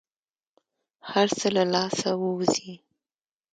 هر څه له لاسه ووزي.